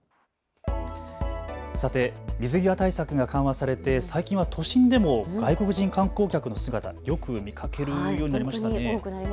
さて、水際対策が緩和されて最近は都心でも外国人観光客の姿、よく見かけるようになりましたね。